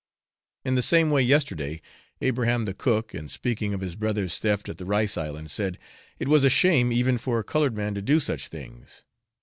In the same way yesterday, Abraham the cook, in speaking of his brother's theft at the rice island, said 'it was a shame even for a coloured man to do such things.'